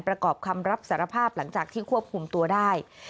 ประกอบคำรับสารภาพหลังจากที่ควบคุมตัวได้